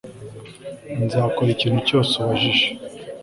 Nzakora ikintu cyose ubajije